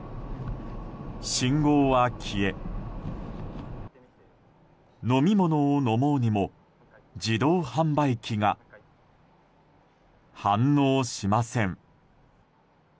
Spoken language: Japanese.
信号は消え飲み物を飲もうにも自動販売機が反応しません。